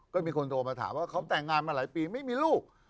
ก็มีคนโทรมาถามว่าเขาแต่งงานมาหลายปีไม่มีลูก